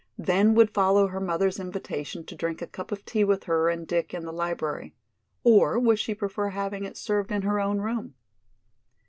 Then would follow her mother's invitation to drink a cup of tea with her and Dick in the library, or would she prefer having it served in her own room?